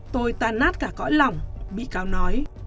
tôi tan nát cả cõi lỏng bi cáo nói